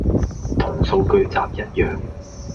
同數據集一樣